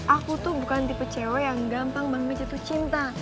aku tuh bukan tipe cewe yang gampang banget jatuh cinta